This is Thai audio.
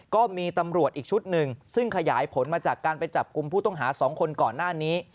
ก็มีตำรวจอีกชุดหนึ่งซึ่งขยายผลมาจากการไปจับกลุ่มผู้ต้องหา๒คนก่อนหน้านี้